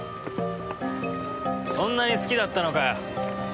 そんなに好きだったのかよ。